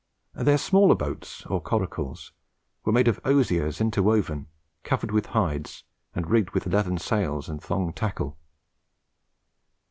Their smaller boats, or coracles, were made of osiers interwoven, covered with hides, and rigged with leathern sails and thong tackle.